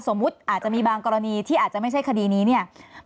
อาจจะมีบางกรณีที่อาจจะไม่ใช่คดีนี้เนี่ย